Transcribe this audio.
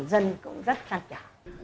tất cả những người dân cũng rất khăn trọng